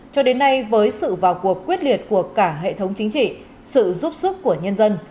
cho đến nay với sự vào cuộc quyết liệt của cả hệ thống chính trị sự giúp sức của nhân dân